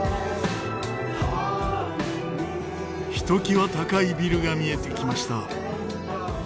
ひときわ高いビルが見えてきました。